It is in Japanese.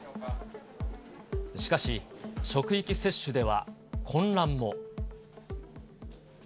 しかし、職域接種では混乱も。